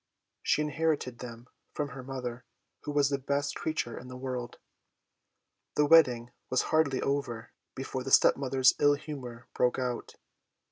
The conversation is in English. She inherited them from her mother, who was the best creature in the world. The wedding was hardly over before the stepmother's ill humour broke out.